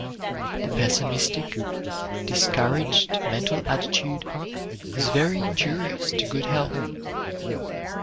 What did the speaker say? The pessimistic, discouraged mental attitude is very injurious to good health.